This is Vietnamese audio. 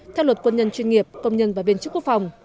theo luật quân nhân chuyên nghiệp công nhân và viên chức quốc phòng